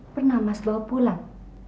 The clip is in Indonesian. pernah mas bawa pulang